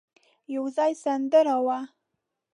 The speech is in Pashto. يو ځای سندره وه.